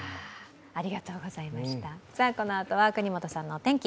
このあとは國本さんのお天気。